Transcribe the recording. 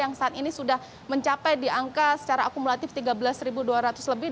yang saat ini sudah mencapai di angka secara akumulatif tiga belas dua ratus lebih